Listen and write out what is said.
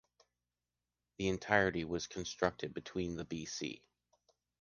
The entirety was constructed between and BC.